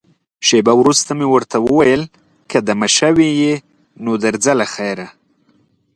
شېبه وروسته مې ورته وویل، که دمه شوې یې، نو درځه له خیره.